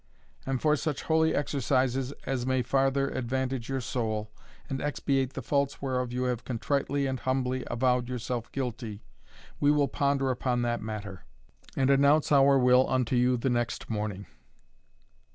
And for such holy exercises as may farther advantage your soul, and expiate the faults whereof you have contritely and humbly avowed yourself guilty, we will ponder upon that matter, and announce our will unto you the next morning."